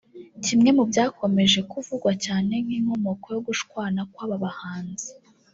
Kimwe mu byakomeje kuvugwa cyane nk’inkomoko yo gushwana kw’aba bahanzi